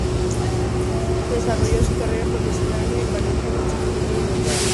Desarrolló su carrera profesional en Valencia, construyendo diversos edificios de estilo modernista valenciano.